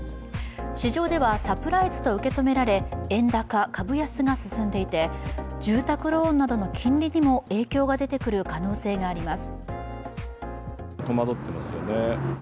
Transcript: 市場ではサプライズと受け止められ、円高、株安が進んでいて住宅ローンなどの金利にも影響が出てくる可能性があります。